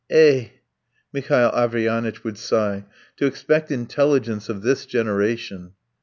"Eh!" Mihail Averyanitch would sigh. "To expect intelligence of this generation!"